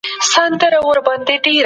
ادبي څېړني زموږ پوهه لا پسي زیاتوي.